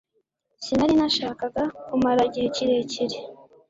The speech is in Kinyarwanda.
sinari nashakaga kumara igihe kirekire